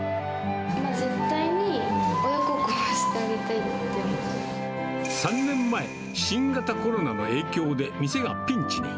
絶対に親孝行はしてあげたい３年前、新型コロナの影響で店がピンチに。